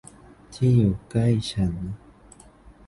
ที่อยู่ใกล้กัน